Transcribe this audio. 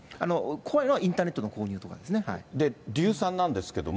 怖いのはインターネットの購入と硫酸なんですけれども。